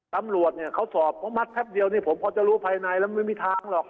ตำรวจเนี่ยเขาสอบเพราะมัดแป๊บเดียวนี่ผมพอจะรู้ภายในแล้วไม่มีทางหรอก